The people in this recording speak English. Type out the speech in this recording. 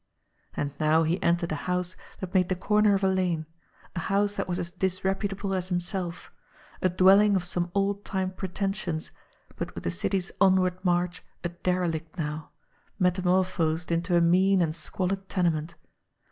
And now he entered a house that made the corner of a lane, a house that was as disreputable as himself, a dwelling of some old time pretentions, but with the city's onward march a derelict now, metamorphosed into a mean and squalid tenement.